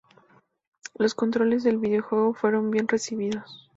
Los controles del videojuego fueron bien recibidos.